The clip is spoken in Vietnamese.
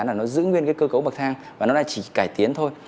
là nó giữ nguyên cơ cấu bậc thang và nó chỉ cải tiến thôi